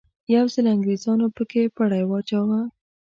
یو ځل انګریزانو په کې پړی واچاوه.